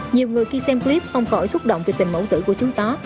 nhiều người khi xem clip không khỏi xúc động từ tình mẫu tử của chú tó